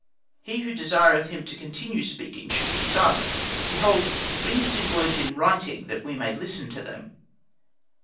He who desireth him to continue speaking should be silent; behold, bring us his words in writing, that we may listen to them.